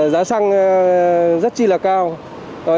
giá xăng rất chi là cao